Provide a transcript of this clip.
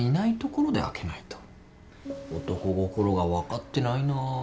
男心が分かってないな。